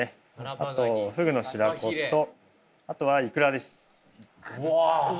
あとふぐの白子とあとはイクラですわあ！